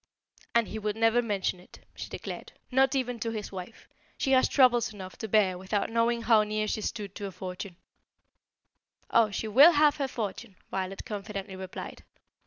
"And he will never mention it," she declared, "not even to his wife. She has troubles enough to bear without knowing how near she stood to a fortune." "Oh, she will have her fortune!" Violet confidently replied.